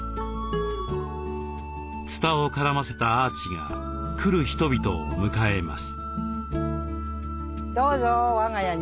つたを絡ませたアーチが来る人々を迎えます。